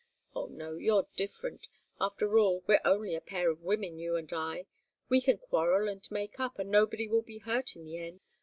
Oh, no! You're different. After all, we're only a pair of women, you and I. We can quarrel and make up, and nobody will be hurt in the end.